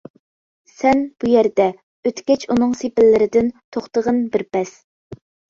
سەن، بۇ يەردە، ئۆتكەچ ئۇنىڭ سېپىللىرىدىن توختىغىن بىر پەس!